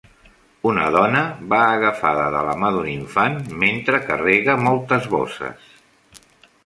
Una dona va agafada de la mà d'un infant mentre carrega moltes bosses.